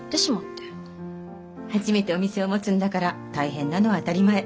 初めてお店を持つんだから大変なのは当たり前。